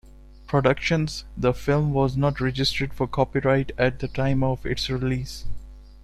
Productions, the film was not registered for copyright at the time of its release.